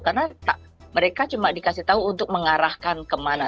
karena mereka cuma dikasih tahu untuk mengarahkan kemana